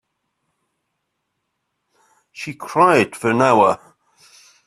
She cried for an hour.